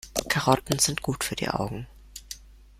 Karotten sind gut für die Augen.